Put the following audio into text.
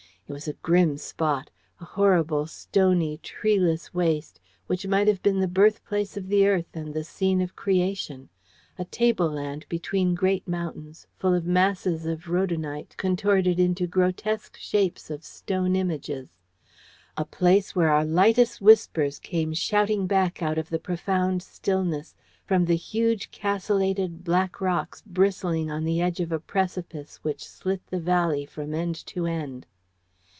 It was a grim spot. A horrible, stony, treeless waste which might have been the birthplace of the earth and the scene of Creation a tableland between great mountains, full of masses of rhodonite contorted into grotesque shapes of stone images; a place where our lightest whispers came shouting back out of the profound stillness from the huge castellated black rocks bristling on the edge of a precipice which slit the valley from end to end.